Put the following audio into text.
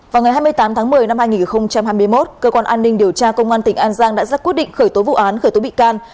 vào ngày hai mươi tám tháng một mươi năm hai nghìn hai mươi một cơ quan an ninh điều tra công an tỉnh an giang đã ra quyết định khởi tố vụ án khởi tố bị can